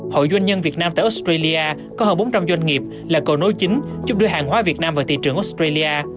hội doanh nhân việt nam tại australia có hơn bốn trăm linh doanh nghiệp là cầu nối chính giúp đưa hàng hóa việt nam vào thị trường australia